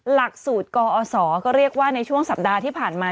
หลักสูตรกอศก็เรียกว่าในช่วงสัปดาห์ที่ผ่านมา